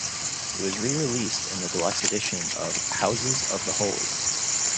It was re-released in the deluxe edition of "Houses of the Holy".